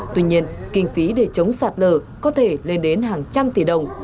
tuy nhiên kinh phí để chống sạt lở có thể lên đến hàng trăm tỷ đồng